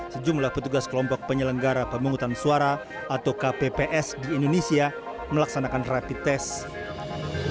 sejumlah petugas kelompok penyelenggara pemungutan suara atau kpps di indonesia melaksanakan rapid test